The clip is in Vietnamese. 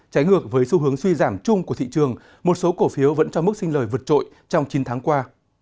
trái ngược với xu hướng suy giảm chung của thị trường một số cổ phiếu vẫn cho mức sinh lời vượt trội trong chín tháng qua